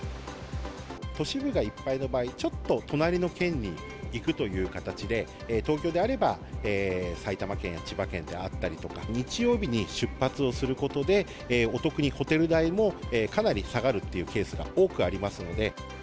都市部がいっぱいの場合、ちょっと隣の県に行くという形で、東京であれば、埼玉県、千葉県であったりとか、日曜日に出発をすることで、お得にホテル代もかなり下がるっていうケースが多くありますので。